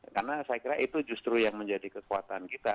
karena saya kira itu justru yang menjadi kekuatan kita